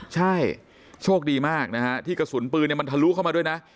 ใช่โชคดีมากนะฮะที่กระสุนปืนมันทะลุเข้ามาด้วยนะ